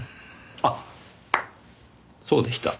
あっそうでした。